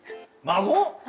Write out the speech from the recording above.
孫！？